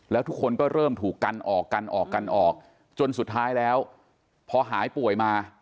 แล้วทุกคนก็เริ่มถูกกันออกกันออกกันออกจนสุดท้ายแล้วพอหายป่วยมา